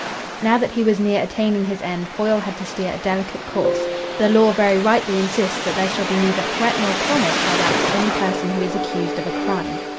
Now that he was near attaining his end, Foyle had to steer a delicate course. The law very rightly insists that there shall be neither threat nor promise held out to any person who is accused of a crime.